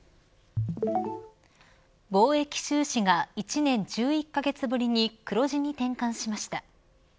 貿易収支が１年１１カ月ぶりに黒字に転換しました。